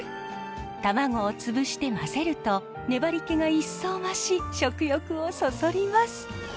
卵を潰して混ぜると粘りけが一層増し食欲をそそります。